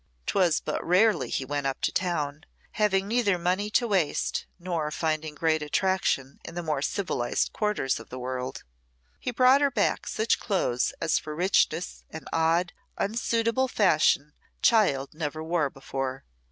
'Twas but rarely he went up to town, having neither money to waste, nor finding great attraction in the more civilised quarters of the world. He brought her back such clothes as for richness and odd, unsuitable fashion child never wore before.